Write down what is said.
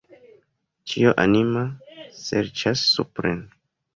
Ĉio anima serĉas supren.